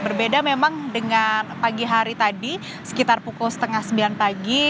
berbeda memang dengan pagi hari tadi sekitar pukul setengah sembilan pagi